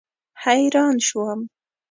حیران شوم.